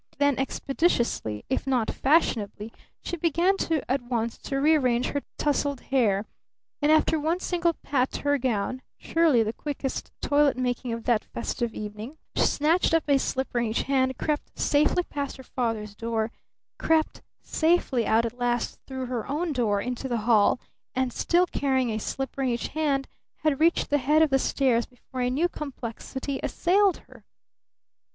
Then, expeditiously, if not fashionably, she began at once to rearrange her tousled hair, and after one single pat to her gown surely the quickest toilet making of that festive evening snatched up a slipper in each hand, crept safely past her father's door, crept safely out at last through her own door into the hall, and still carrying a slipper in each hand, had reached the head of the stairs before a new complexity assailed her.